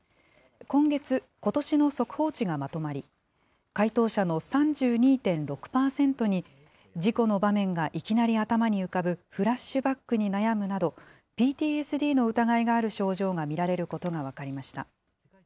今月、ことしの速報値がまとまり、回答者の３２．６％に、事故の場面がいきなり頭に浮かぶフラッシュバックに悩むなど、ＰＴＳＤの疑いがある症状が見られることが分かりました。